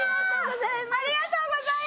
ありがとうございます。